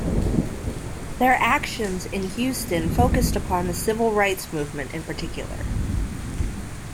Their actions in Houston focused upon the Civil Rights Movement in particular.